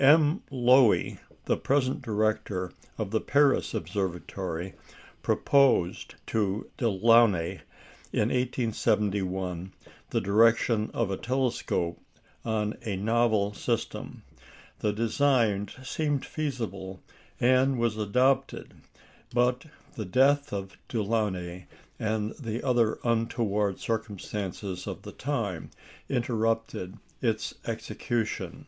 M. Loewy, the present director of the Paris Observatory, proposed to Delaunay in 1871 the direction of a telescope on a novel system. The design seemed feasible, and was adopted; but the death of Delaunay and the other untoward circumstances of the time interrupted its execution.